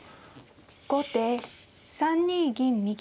後手３二銀右。